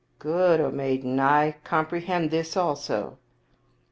" Good, O maiden ; I comprehend this also."